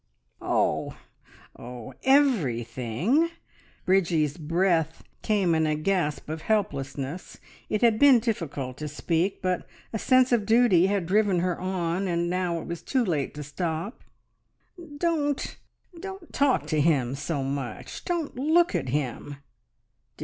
"Oh oh everything!" Bridgie's breath came in a gasp of helplessness. It had been difficult to speak, but a sense of duty had driven her on, and now it was too late to stop. "Don't don't talk to him so much. Don't look at him."